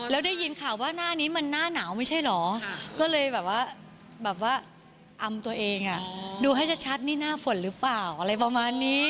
แล้วได้ยินข่าวว่าหน้านี้มันหน้าหนาวไม่ใช่เหรอก็เลยแบบว่าแบบว่าอำตัวเองดูให้ชัดนี่หน้าฝนหรือเปล่าอะไรประมาณนี้